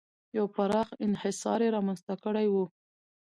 یو پراخ انحصار یې رامنځته کړی و.